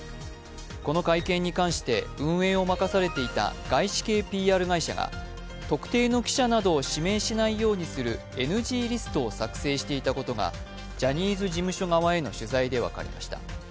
この会見に関して運営を任されていた外資系ＰＲ会社が特定の記者などを指名しないようにするＮＧリストを作成していたことがジャニーズ事務所側への取材で分かりました。